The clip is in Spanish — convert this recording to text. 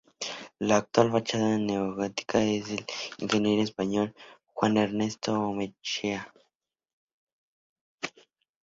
La actual fachada neogótica es del ingeniero español Juan Ernesto Ormaechea.